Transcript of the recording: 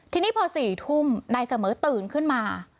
ทีนี้พอ๔ทุ่มนายเสมอตื่นขึ้นมา